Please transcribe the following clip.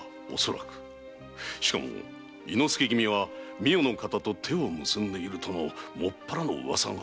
しかも猪之助君は美代の方と手を結んでいるとの噂が。